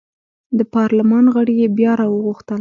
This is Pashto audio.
د پارلمان غړي یې بیا راوغوښتل.